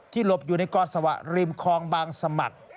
ที่หลบอยู่ในกอดสวะริมคองบางสมัตย์